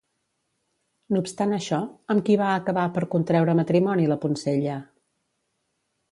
No obstant això, amb qui va acabar per contreure matrimoni la poncella?